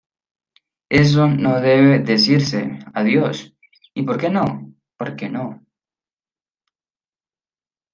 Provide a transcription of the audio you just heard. ¡Eso no debe decirse! ¡Adiós! ¿Y por qué no? porque no.